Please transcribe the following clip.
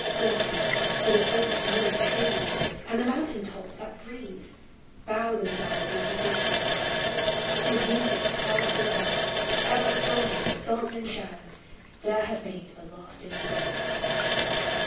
1. Orpheus, with his lute, made trees, And the mountain tops that freeze, Bow themselves when he did sing ; To his music plants and flowers Ever sprung, as sun and showers There had made a lasting Spring.